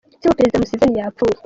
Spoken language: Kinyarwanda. Se wa Perezida Museveni yapfuye